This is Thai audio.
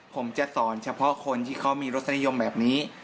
ผมจะสอนเฉพาะคนที่เขามีรสนิยมแบบนี้